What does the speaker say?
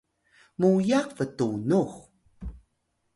muyax btunux